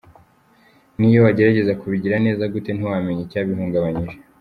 N’iyo wagerageza kubigira neza gute, ntiwamenya icyabihungabanyije.